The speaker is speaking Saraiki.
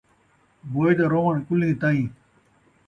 موئے دا رووݨ قلیں تئیں